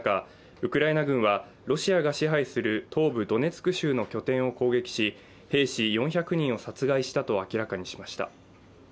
ウクライナ軍はロシアが支配する東部ドネツク州の拠点を攻撃し兵士４００人を殺害したと明らかにしました。